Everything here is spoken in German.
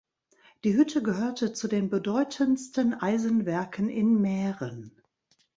Die Hütte gehörte zu den bedeutendsten Eisenwerken in Mähren.